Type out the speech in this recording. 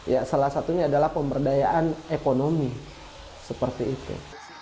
ya salah satunya adalah pemberdayaan ekonomi seperti itu